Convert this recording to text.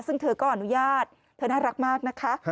ซึ่งเธอก็อนุญาตเธอน่ารักมากนะคะ